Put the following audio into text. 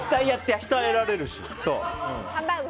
鍛えられるし。